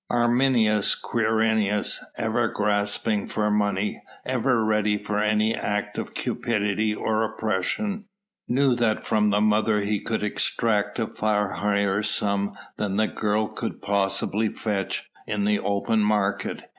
Arminius Quirinius, ever grasping for money, ever ready for any act of cupidity or oppression, knew that from the mother he could extract a far higher sum than the girl could possibly fetch in the open market.